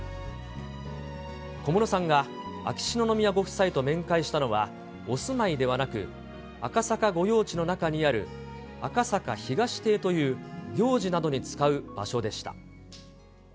小室さんが秋篠宮ご夫妻と面会したのは、お住まいではなく、赤坂御用地の中にある、赤坂東邸という行事などに使う場所でした。